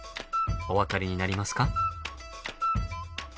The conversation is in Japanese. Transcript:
お分かりになりますか？